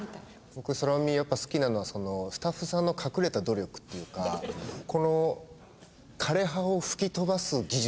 僕空耳やっぱ好きなのはスタッフさんの隠れた努力っていうかこの枯れ葉を吹き飛ばす技術。